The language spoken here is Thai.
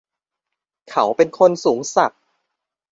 เขาเป็นคนสูงศักดิ์